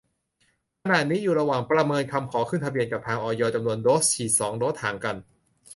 ขณะนี้อยู่ระหว่างประเมินคำขอขึ้นทะเบียนกับทาง อย จำนวนโดส ฉีด สอง โดส ห่างกัน